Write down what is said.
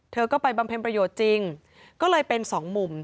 เธอก็ไปบำเพ็ญประโยชน์จริงก็เลยเป็นสองมุม